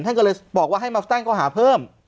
ท่านก็เลยบอกว่าให้มาตั้งข้อหาเพิ่ม